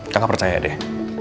kakak percaya deh